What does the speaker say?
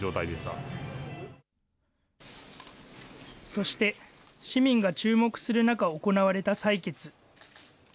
そして、市民が注目する中、行われた採決。